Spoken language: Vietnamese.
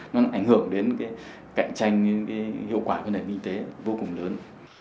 nó ảnh hưởng đến cạnh tranh hiệu quả của nền kinh tế vô cùng lớn